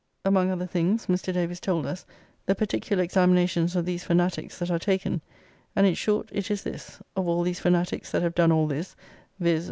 Among other things Mr. Davis told us the particular examinations of these Fanatiques that are taken: and in short it is this, of all these Fanatiques that have done all this, viz.